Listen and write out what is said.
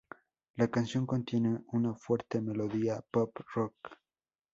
La canción contiene una fuerte melodía pop rock.